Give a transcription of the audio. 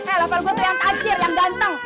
eh level gue tuh yang tajir yang ganteng